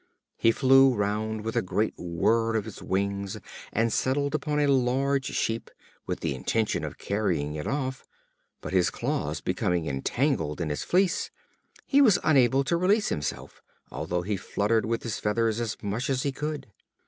He flew round with a great whirr of his wings, and settled upon a large sheep, with the intention of carrying it off, but his claws becoming entangled in its fleece, he was unable to release himself, although he fluttered with his feathers as much as he could.